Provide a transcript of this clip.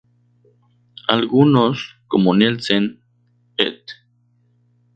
Algunos, como Nielsen "et.